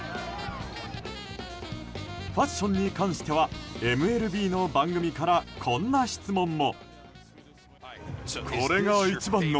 ファッションに関してはＭＬＢの番組からこんな質問も。